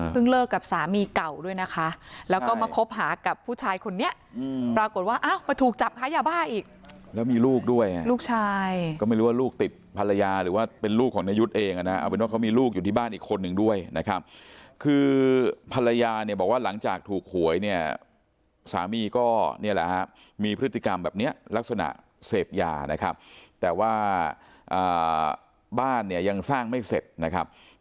พึ่งเลิกกับสามีเก่าด้วยนะคะแล้วก็มาคบหากับผู้ชายคนนี้ปรากฏว่าเอ้ามาถูกจับคดียาบ้าอีกแล้วมีลูกด้วยลูกชายก็ไม่รู้ว่าลูกติดภรรยาหรือว่าเป็นลูกของนายยุทธ์เองนะเอาเป็นว่าเขามีลูกอยู่ที่บ้านอีกคนหนึ่งด้วยนะครับคือภรรยาเนี่ยบอกว่าหลังจากถูกหวยเนี่ยสามีก็เนี่ยแหละมีพฤติก